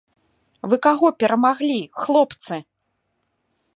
Вы каго перамаглі, хлопцы?!